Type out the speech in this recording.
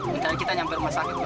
bentar kita nyampe rumah sakit ibu